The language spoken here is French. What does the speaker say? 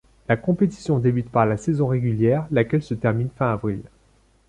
La compétition débute par la saison régulière laquelle se termine fin avril.